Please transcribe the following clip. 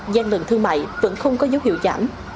gian lần thương mại vẫn không có dấu hiệu giảm